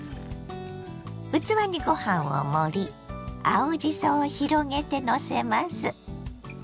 器にご飯を盛り青じそを広げてのせます。